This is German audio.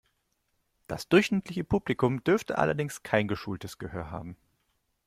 Das durchschnittliche Publikum dürfte allerdings kein geschultes Gehör haben.